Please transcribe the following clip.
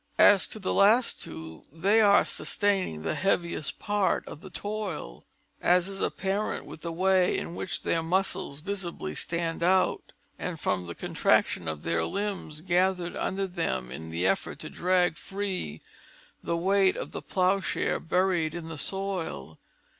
As to the last two, they are sustaining the heaviest part of the toil, as is apparent from the way in which their muscles visibly stand out, and from the contraction of their limbs gathered under them in the effort to drag free the weight of the ploughshare buried in the soil.